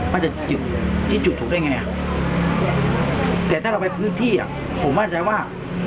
มันจะจุดถูกด้วยไงแต่ถ้าเราไปพื้นที่ผมว่าจะได้ว่า